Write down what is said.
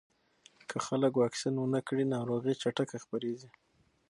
که خلک واکسین ونه کړي، ناروغي چټکه خپرېږي.